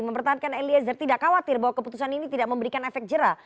mempertahankan eliezer tidak khawatir bahwa keputusan ini tidak memberikan efek jerah